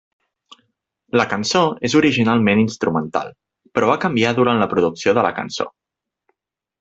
La cançó és originalment instrumental, però va canviar durant la producció de la cançó.